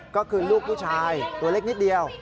ก็คือลูกผู้ชายตัวเล็กนิดเดียว